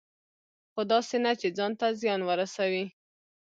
خو داسې نه چې ځان ته زیان ورسوي.